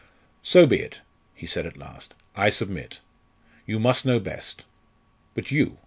"So be it," he said at last. "I submit. You must know best. But you?